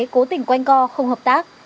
cố tình quanh co không hợp tác